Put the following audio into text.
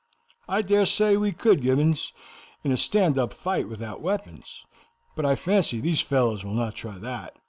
"I dare say we could, Gibbons, in a stand up fight without weapons, but I fancy these fellows will not try that.